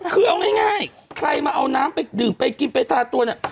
คือเอาง่ายใครมาเอาน้ำไปดื่มไปกินไปทาตัวเนี่ย